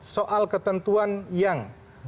soal ketentuan yang